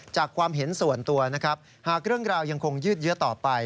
ความเห็นส่วนตัวนะครับหากเรื่องราวยังคงยืดเยอะต่อไป